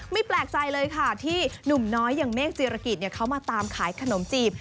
แปลกใจเลยค่ะที่หนุ่มน้อยอย่างเมฆจิรกิจเขามาตามขายขนมจีบ